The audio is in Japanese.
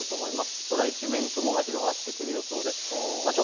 空一面、雲が広がってくる予想です。